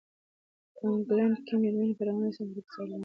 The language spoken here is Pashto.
په انګلنډ کې مېرمنې په رواني څانګه کې تر څار لاندې ساتل کېږي.